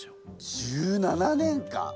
１７年間！